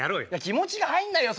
気持ちが入んないよ